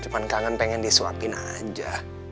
cuma kangen pengen disuapin aja